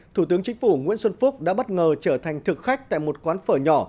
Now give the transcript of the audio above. thủ tướng chính phủ nguyễn xuân phúc đã bất ngờ trở thành thực khách tại một quán phở nhỏ